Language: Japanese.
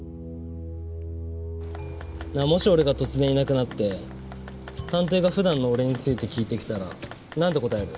なあもし俺が突然いなくなって探偵が普段の俺について聞いてきたらなんて答える？